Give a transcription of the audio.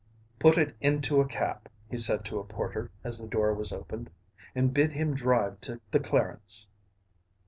"Put it into a cab," he said to a porter as the door was opened, "and bid him drive to the Clarence."